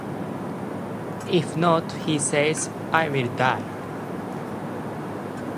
If not, he says I will die.